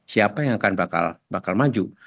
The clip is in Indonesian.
siapa yang akan bakal maju